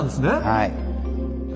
はい。